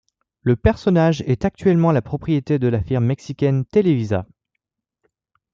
Le personnage est actuellement la propriété de la firme Mexicaine Televisa.